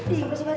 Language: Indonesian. di cukur pake